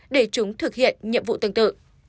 để chúng thực hiện nhiệm vụ tương tự